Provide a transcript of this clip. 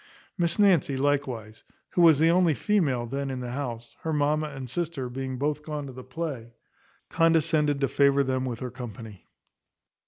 Miss Nancy likewise, who was the only female then in the house, her mamma and sister being both gone to the play, condescended to favour them with her company.